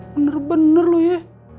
bener bener lu ya